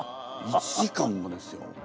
１時間もですよ。